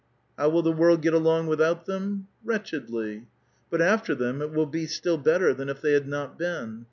How will the world get along without them? Wretchedly. But after them it will be still better than if they had not been.